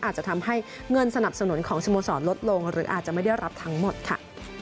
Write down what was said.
อาจจะทำให้เงินสนับสนุนของสโมสรลดลงหรืออาจจะไม่ได้รับทั้งหมดค่ะ